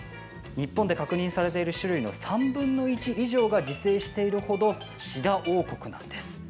日本で確認されている種類の３分の１以上が自生しているほどシダ王国なんです。